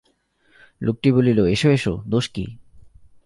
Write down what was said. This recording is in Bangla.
লোকটি বলিল, এসো এসো, দোষ কি?